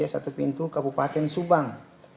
satu pintu kabupaten subang